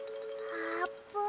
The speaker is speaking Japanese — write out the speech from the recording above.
あーぷん？